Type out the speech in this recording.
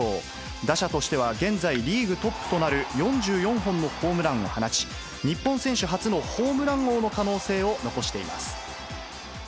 打者としては現在リーグトップとなる４４本のホームランを放ち、日本選手初のホームラン王の可能性を残しています。